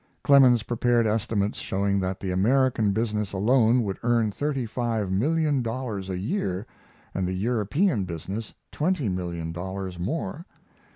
Clemens prepared estimates showing that the American business alone would earn thirty five million dollars a year, and the European business twenty million dollars more.